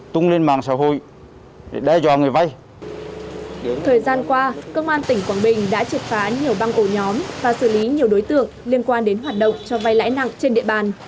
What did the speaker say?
thời gian qua công an tỉnh quảng bình đã triệt phá nhiều băng ổ nhóm và xử lý nhiều đối tượng liên quan đến hoạt động cho vay lãi nặng trên địa bàn